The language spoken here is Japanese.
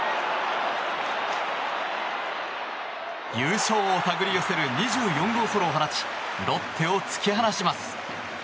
優勝を手繰り寄せる２４号ソロを放ちロッテを突き放します。